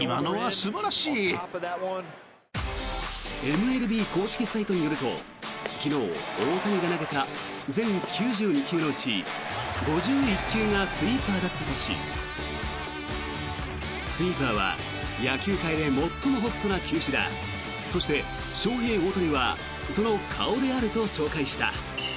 ＭＬＢ公式サイトによると昨日、大谷が投げた全９２球のうち５１球がスイーパーだったとしスイーパーは野球界で最もホットな球種だそして、ショウヘイ・オオタニはその顔であると紹介した。